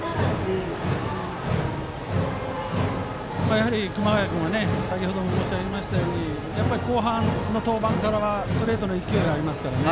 やはり熊谷君は先程も申し上げたように後半の登板からはストレートの勢いがありますから。